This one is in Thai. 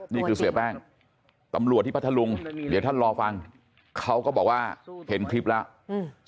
นี่คือเสียแป้งตำรวจที่พัทธลุงเดี๋ยวท่านรอฟังเขาก็บอกว่าเห็นคลิปแล้วอืม